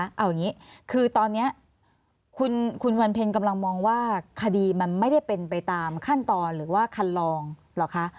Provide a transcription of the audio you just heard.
เอาอย่างนี้คือตอนนี้คุณวันเพ็ญกำลังมองว่าคดีมันไม่ได้เป็นไปตามขั้นตอนหรือว่าคันลองเหรอคะ